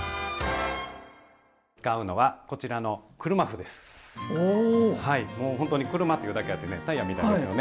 はいもうほんとに車というだけあってねタイヤみたいですよね。